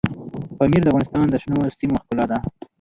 پامیر د افغانستان د شنو سیمو ښکلا ده.